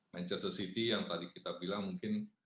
manchester city yang tadi kita bilang mungkin